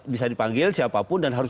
bisa dipanggil siapapun dan harus